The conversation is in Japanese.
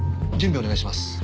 準備お願いします。